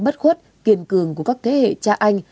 bất khuất kiên cường của các thế hệ cha anh